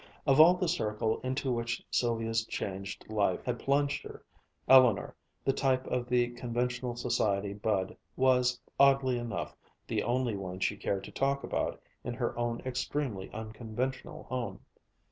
Of all the circle into which Sylvia's changed life had plunged her, Eleanor, the type of the conventional society bud, was, oddly enough, the only one she cared to talk about in her own extremely unconventional home.